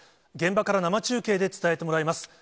現場から生中継で伝えてもらいます。